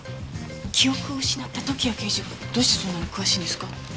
記憶を失った時矢刑事がどうしてそんなに詳しいんですか？